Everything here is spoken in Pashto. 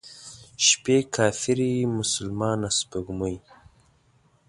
شپې کافرې، مسلمانه سپوږمۍ،